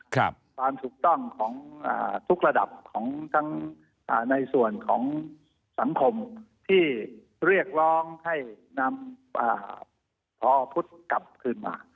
ความถูกต้องของทุกระดับของทั้งในส่วนของสังคมที่เรียกร้องให้นำพอพุทธกลับคืนมา